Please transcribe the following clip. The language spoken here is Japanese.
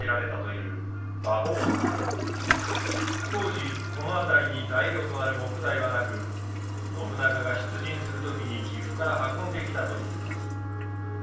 当時この辺りに材料となる木材はなく信長が出陣する時に岐阜から運んできたといいます。